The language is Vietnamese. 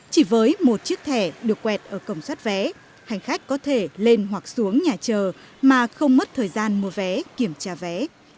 chỉ với một chiếc thẻ được quẹt ở cổng sát vé hành khách có thể lên hoặc xuống nhà chờ mà không mất thời gian mua vé